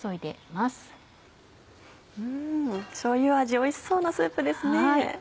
しょうゆ味おいしそうなスープですね。